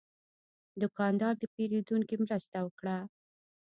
دوکاندار د پیرودونکي مرسته وکړه.